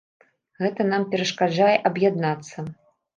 Гэта нам перашкаджае аб'яднацца.